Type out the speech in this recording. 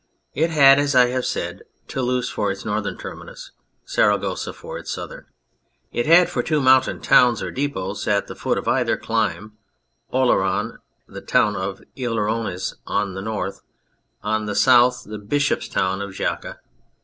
It had, as I have said, Toulouse for its northern terminus, Saragossa for its southern. It had for two mountain towns, or depots, at the foot of either climb, Oloron, the town of the Ilurones, on the north ; on the south the Bishop's town of Jaca.